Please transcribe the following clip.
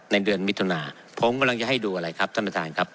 ในเดือนมิถุนาผมกำลังจะให้ดูอะไรครับท่านประธานครับ